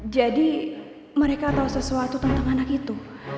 jadi mereka tau sesuatu tentang anak itu